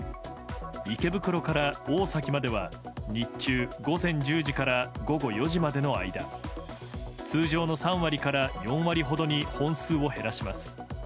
池袋から大崎までは、日中午前１０時から午後４時までの間通常の３割から４割ほどに本数を減らします。